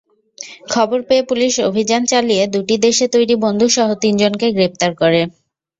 খবর পেয়ে পুলিশ অভিযান চালিয়ে দুটি দেশে তৈরি বন্দুকসহ তিনজনকে গ্রেপ্তার করে।